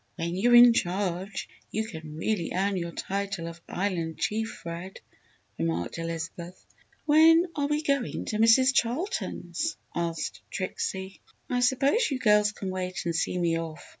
"When you are in charge, you can really earn your title of 'Island Chief,' Fred," remarked Elizabeth. "When are we going to Mrs. Charlton's?" asked Trixie. "I suppose you girls can wait and see me off.